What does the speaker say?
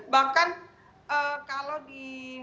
bahkan kalau di